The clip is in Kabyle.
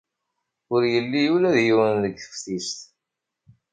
Ur yelli ula d yiwen deg teftist.